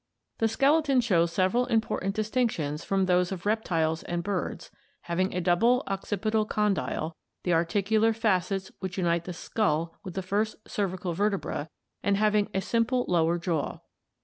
The skeleton shows several important distinctions from those of reptiles and birds, having a double occipital condyle — the articular facets which unite the skull with the first cervical vertebra — and having a simple lower jaw.